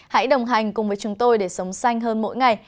hãy đồng hành cùng với chúng tôi để sống xanh hơn mỗi ngày